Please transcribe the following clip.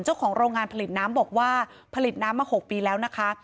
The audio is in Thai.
เจ้าของโรงงานผลิตน้ำบอกว่าผลิตน้ำมา๖ปีแล้วนะคะ